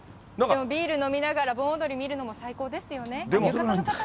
でもビール飲みながら、盆踊り見るのも最高ですよね。